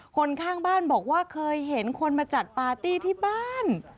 คนข้างบ้านบอกว่าเคยเห็นคนมาจัดปาร์ตี้ที่บ้าน